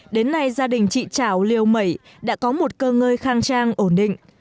đến nay gia đình chị trảo liều mẩy đã có một cơ ngơi khang trang ổn định